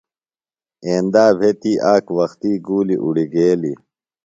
ایندا بھےۡ تی آک وختی گُولیۡ اُڑیگیلیۡ۔